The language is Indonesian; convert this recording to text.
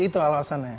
fix itu alasannya